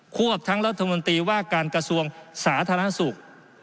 วบทั้งรัฐมนตรีว่าการกระทรวงสาธารณสุข